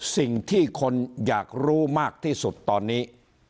สิ่งที่คนอยากรู้มากที่สุดตอนนี้